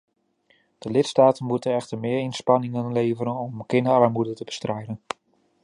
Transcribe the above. De lidstaten moeten echter meer inspanningen leveren om kinderarmoede te bestrijden.